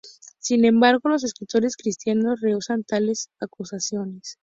Sin embargo, los escritores cristianos rehúsan tales acusaciones.